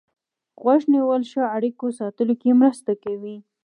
غوږ نیول ښه اړیکو ساتلو کې مرسته کوي.